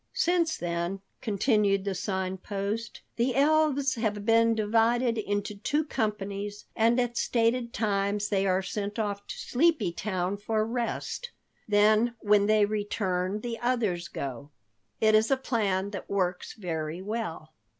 "Since then," continued the Sign Post, "the elves have been divided into two companies, and at stated times they are sent off to Sleepy Town for rest. Then when they return the others go. It is a plan that works very well."